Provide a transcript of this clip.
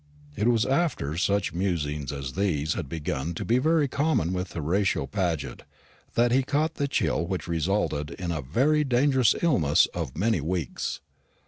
It was after such musings as these had begun to be very common with Horatio Paget that he caught the chill which resulted in a very dangerous illness of many weeks.